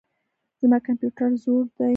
زما کمپيوټر زوړ دئ.